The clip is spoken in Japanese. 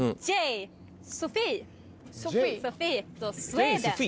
スウェーデン。